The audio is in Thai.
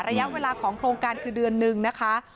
ระยะเวลาของโครงการคือเดือนหนึ่งนะคะ